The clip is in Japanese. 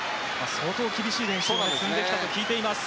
相当厳しい練習を積んできたと聞いています。